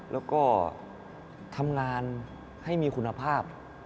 แล้วก็ทำงานให้มีคุณภาพ